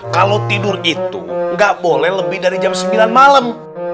kalau tidur itu nggak boleh lebih dari jam sembilan malam